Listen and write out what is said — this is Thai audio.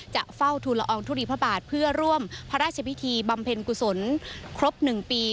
จะเฝ้าทุลอองทุลีพระบาทเพื่อร่วมพระราชพิธีบำเพ็ญกุศลครบ๑ปี